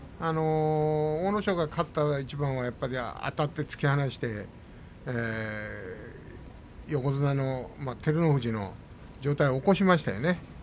阿武咲が勝った一番はあたって突き放して横綱照ノ富士の上体を起こしましたよね。